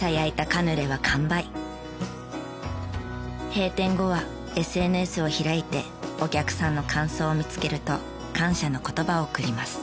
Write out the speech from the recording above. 閉店後はＳＮＳを開いてお客さんの感想を見つけると感謝の言葉を送ります。